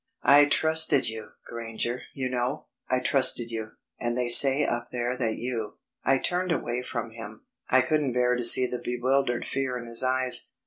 I trusted you, Granger, you know; I trusted you, and they say up there that you...." I turned away from him. I couldn't bear to see the bewildered fear in his eyes.